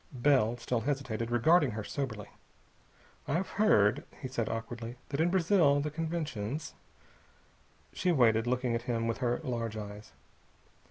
Bell still hesitated, regarding her soberly. "I've heard," he said awkwardly, "that in Brazil the conventions...." She waited, looking at him with her large eyes.